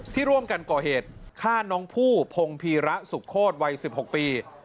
ที่ร่วมกันก่อเหตุฆ่าน้องผู้พงพีระสุโคตรวัย๑๖ปี